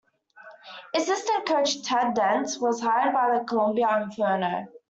Assistant coach Ted Dent was hired by the Columbia Inferno.